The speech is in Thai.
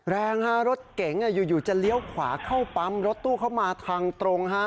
แรงฮะรถเก๋งอยู่จะเลี้ยวขวาเข้าปั๊มรถตู้เข้ามาทางตรงฮะ